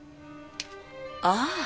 ああ。